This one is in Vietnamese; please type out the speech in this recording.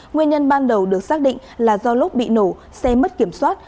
nguyên nhân ban đầu được xác định là do lúc bị nổ xe mất kiểm soát